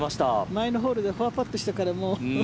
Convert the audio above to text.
前のホールでフォアパットしたから。